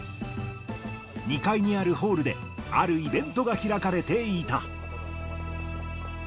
２階にあるホールで、あるイベントが開かれていた。